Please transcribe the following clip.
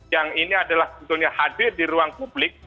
yang ini adalah sebetulnya hadir di ruang publik